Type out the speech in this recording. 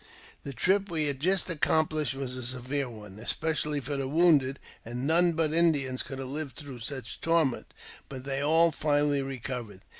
The trip we had just accomplished was a severe one,, |ispecially for the wounded, and none but Indians could have lived through such torment; but they all finally recovered..